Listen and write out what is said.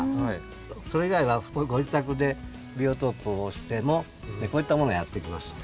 それ以外はご自宅でビオトープをしてもこういったものやって来ますんで。